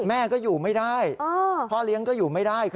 แม่ก็อยู่ไม่ได้พ่อเลี้ยงก็อยู่ไม่ได้